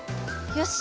よし！